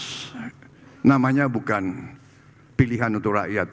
ya namanya bukan pilihan untuk rakyat